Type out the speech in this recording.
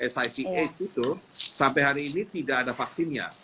siv aids itu sampai hari ini tidak ada vaksinnya